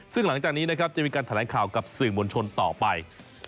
ซึ่งหลังจากนี้นะครับจะมีการแถลงข่าวกับสื่อมวลชนต่อไป